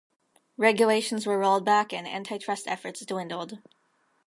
Regulations were rolled back and antitrust efforts dwindled.